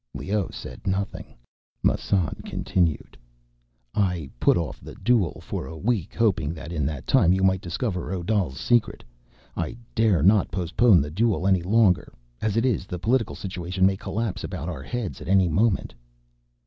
Leoh said nothing. Massan continued, "I put off the duel for a week, hoping that in that time you might discover Odal's secret. I dare not postpone the duel any longer; as it is, the political situation may collapse about our heads at any moment."